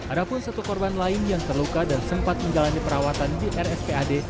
ada pun satu korban lain yang terluka dan sempat menjalani perawatan di rspad